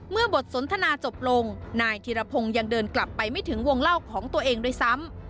บทสนทนาจบลงนายธิรพงศ์ยังเดินกลับไปไม่ถึงวงเล่าของตัวเองด้วยซ้ำ